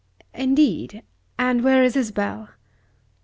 "Indeed! and where is Isabel?"